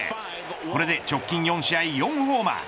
これで直近４試合４ホーマー。